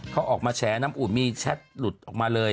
เขาออกมาแฉน้ำอุ่นมีแชทหลุดออกมาเลย